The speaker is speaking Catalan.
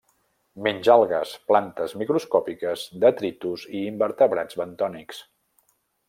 Menja algues, plantes microscòpiques, detritus i invertebrats bentònics.